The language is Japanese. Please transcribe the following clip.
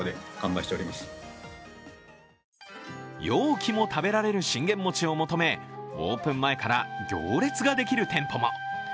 容器も食べられる信玄餅を求め、オープン前から行列ができる店舗も。